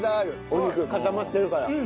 お肉固まってるから。